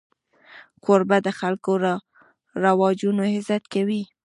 کوربه د خپلو رواجونو عزت کوي.